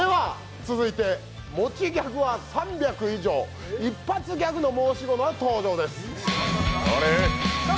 持ちギャグとかは３００以上一発ギャグの申し子が登場です。